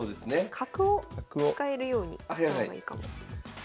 角を使えるようにした方がいいかも。